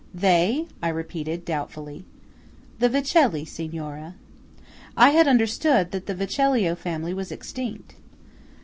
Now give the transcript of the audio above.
"They?" I repeated, doubtfully. "The Vecelli, Signora." "I had understood that the Vecellio family was extinct."